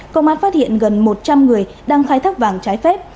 công an phát hiện gần một trăm linh người đang khai thác vàng trái phép